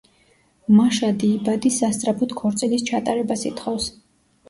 მაშადი იბადი სასწრაფოდ ქორწილის ჩატარებას ითხოვს.